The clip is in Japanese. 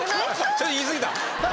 ちょっと言いすぎた！